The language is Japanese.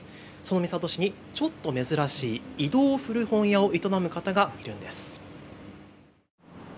その三郷市にちょっと珍しい移動古本屋を営む方がいるんです。